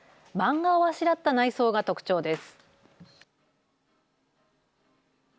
マンガをあしらった内装が特徴です。